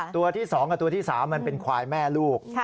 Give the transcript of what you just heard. ตัวที่๒กับตัวที่๓มันเป็นควายแม่ลูก